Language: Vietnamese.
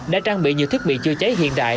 đã trang bị nhiều thiết bị chữa cháy hiện đại